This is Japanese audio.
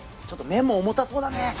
ちょっと麺も重たそうだね。